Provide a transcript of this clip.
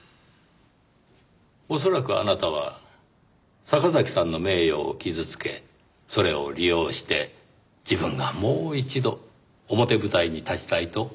恐らくあなたは坂崎さんの名誉を傷つけそれを利用して自分がもう一度表舞台に立ちたいと思った。